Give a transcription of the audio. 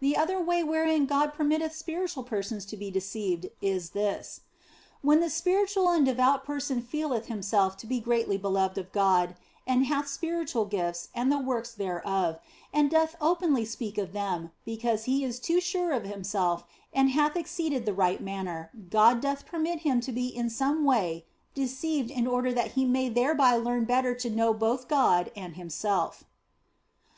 The other way wherein God permitteth spiritual persons to be deceived is this. When the spiritual and devout person feeleth himself to be greatly beloved of God and hath spiritual gifts and the works thereof, and doth openly speak of them, because he is too sure of himself and hath exceeded the right manner, God doth permit him to be in some way deceived in order that he may thereby learn better to know both God and himself.